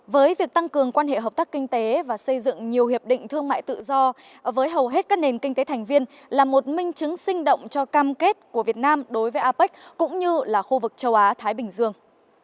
với việc tăng cường quan hệ hợp tác kinh tế và xây dựng nhiều hiệp định thương mại tự do với hầu hết các nền kinh tế thành viên là một minh chứng sinh động cho cam kết của việt nam đối với apec cũng như là khu vực châu á thái bình dương